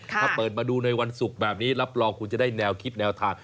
ถ้าเปิดมาดูในวันศุกร์แบบนี้รับรองคุณจะได้แนวคิดแนวทาง